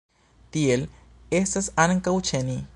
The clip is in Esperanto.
Tiel estas ankaŭ ĉe ni.